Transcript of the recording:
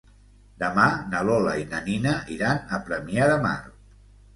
Demà na Lola i na Nina iran a Premià de Mar.